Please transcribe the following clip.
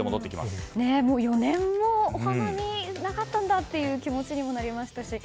４年もお花見なかったんだっていう気持ちにもなりましたし